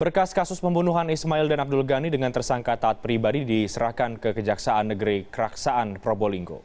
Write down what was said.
berkas kasus pembunuhan ismail dan abdul ghani dengan tersangka taat pribadi diserahkan ke kejaksaan negeri keraksaan probolinggo